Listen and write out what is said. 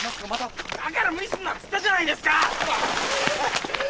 だから無理するなって言ったじゃないですか！